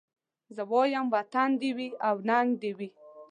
زه وايم وطن دي وي او ننګ دي وي